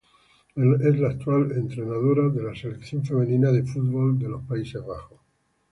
Es la actual entrenadora de la Selección femenina de fútbol de Países Bajos.